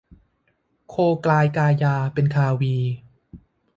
โคกลายกายาเป็นคาวี